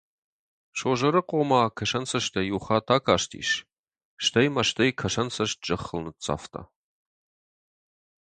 Созырыхъо ма кӕсӕнцӕстӕй иу хатт акастис, стӕй мӕстӕй кӕсӕнцӕст зӕххыл ныццавта.